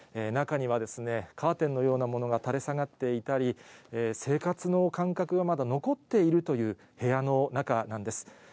中には、カーテンのようなものが垂れ下がっていたり、生活の感覚がまだ残っているという部屋の中なんです。